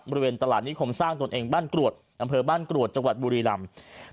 บริเวณตลาดนิคมสร้างตนเองบ้านกรวดอำเภอบ้านกรวดจังหวัดบุรีรำ